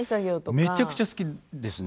めちゃくちゃ好きですね。